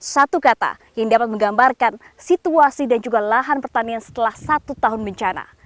satu kata yang dapat menggambarkan situasi dan juga lahan pertanian setelah satu tahun bencana